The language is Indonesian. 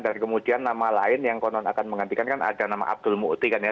dan kemudian nama lain yang konon akan menggantikan kan ada nama abdul mu'ti kan ya